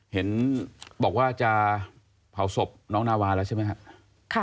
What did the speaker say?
เห็นบอกว่าจะเผาศพน้องนาวาแล้วใช่ไหมครับ